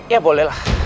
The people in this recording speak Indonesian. ya boleh lah